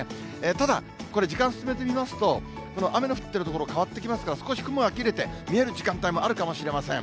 ただ、これ、時間進めてみますと、雨の降ってる所、変わってきますから、少し雲が切れて、見える時間帯もあるかもしれません。